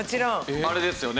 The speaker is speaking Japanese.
あれですよね。